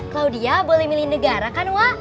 claudia boleh milih negara kan wak